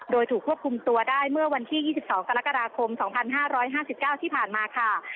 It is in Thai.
โดยถูกควบคุมตัวได้เมื่อวันที่๒๒กรกฎาคม๒๕๕๙ที่ผ่านมาค่ะ